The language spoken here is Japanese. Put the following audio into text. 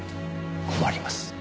困ります。